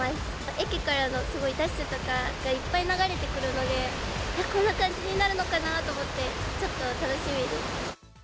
駅からのすごいダッシュとか、いっぱい流れてくるので、あっ、こんな感じになるのかな？と思って、ちょっと楽しみです。